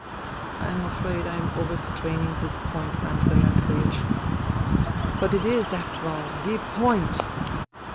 I am afraid I am overstraining this point, Andrei Andreiech. But it is, after all, the point.